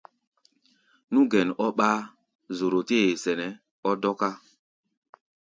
Nú gɛn ɔ́ ɓáá, zoro tɛ́ ye sɛnɛ ɔ́ dɔ́ká.